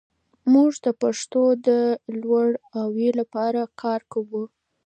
موږ د پښتو د لوړاوي لپاره کار کوو.